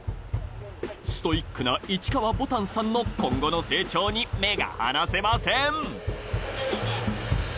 な市川ぼたんさんの今後の成長に目が離せません